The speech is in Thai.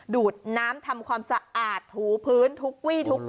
ดูดน้ำทำความสะอาดถูพื้นทุกวี่ทุกวัน